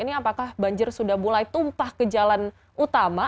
ini apakah banjir sudah mulai tumpah ke jalan utama